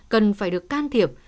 cần phải được can thiệp